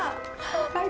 はい。